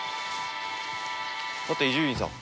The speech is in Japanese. さて伊集院さん。